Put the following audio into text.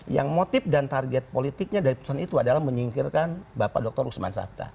yang motif dan target politiknya dari putusan itu adalah menyingkirkan bapak dr usman sabta